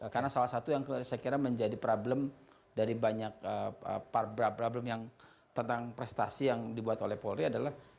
karena salah satu yang saya kira menjadi problem dari banyak problem yang tentang prestasi yang dibuat oleh polri adalah